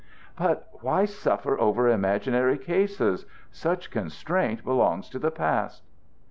"But why suffer over imaginary cases? Such constraint belongs to the past."